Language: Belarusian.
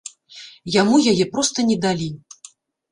Яму яе проста не далі.